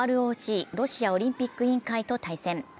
ＲＯＣ＝ロシアオリンピック委員会と対戦。